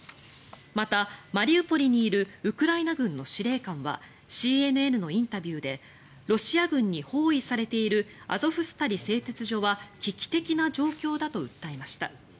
また、マリウポリにいるウクライナ軍の司令官はＣＮＮのインタビューでロシア軍に包囲されているアゾフスタリ製鉄所は危機的な状況だと訴えました。